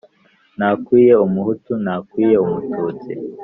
ntakwiye umuhutu ntakwiye umututsi